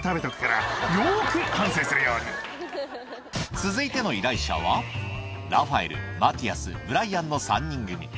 続いての依頼者はラファエルマティアスブライアンの３人組